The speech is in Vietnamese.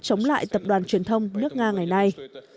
chống lại tập đoàn truyền thông nước nga ngày nay